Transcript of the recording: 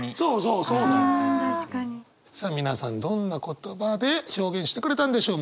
さあ皆さんどんな言葉で表現してくれたんでしょう？